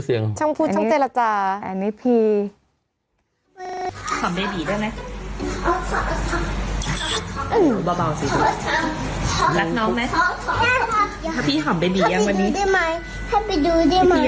พี่ยังไม่ห่ำเบบีเลย